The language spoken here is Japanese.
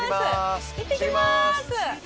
いってきます！